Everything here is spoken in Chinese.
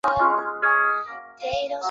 中国近代著名的建筑师。